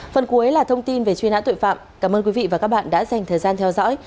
phần cuối là thông tin về truy nã tội phạm cảm ơn quý vị và các bạn đã dành thời gian theo dõi